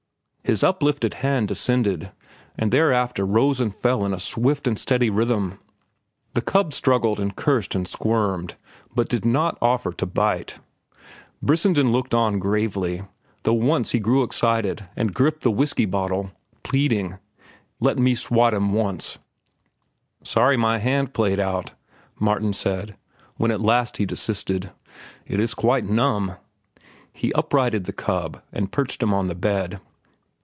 His uplifted hand descended, and thereafter rose and fell in a swift and steady rhythm. The cub struggled and cursed and squirmed, but did not offer to bite. Brissenden looked on gravely, though once he grew excited and gripped the whiskey bottle, pleading, "Here, just let me swat him once." "Sorry my hand played out," Martin said, when at last he desisted. "It is quite numb." He uprighted the cub and perched him on the bed.